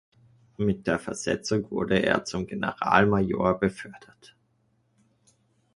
Mit der Versetzung wurde er zum Generalmajor befördert.